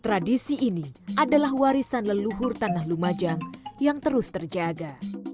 tradisi ini adalah warisan leluhur tanah lumajang yang terus terjaga